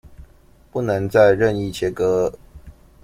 不能再任意切割